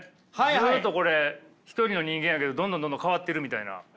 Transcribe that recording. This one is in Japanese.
ずっとこれ一人の人間やけどどんどんどんどん変わってるみたいな。